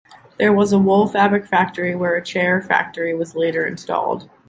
There was a wool fabric factory where a chair factory was later installed.